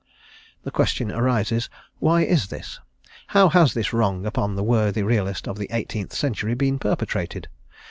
The question arises, why is this? How has this wrong upon the worthy realist of the eighteenth century been perpetrated?